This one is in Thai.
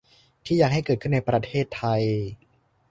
ที่อยากให้เกิดขึ้นในประเทศไทย